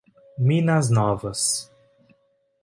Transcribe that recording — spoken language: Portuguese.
Minas Novas